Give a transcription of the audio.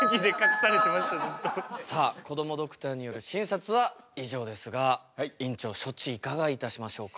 さあこどもドクターによる診察は以上ですが院長処置いかがいたしましょうか？